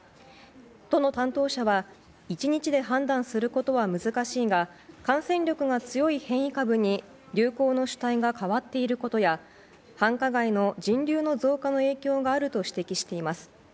都の担当者は１日で判断することは難しいが感染力が強い変異株に流行の主体が変わっていることや繁華街の人流の増加の影響があると指摘しています。